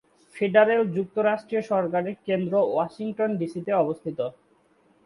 Federal যুক্তরাষ্ট্রীয় সরকারের কেন্দ্র ওয়াশিংটন ডিসি-তে অবস্থিত।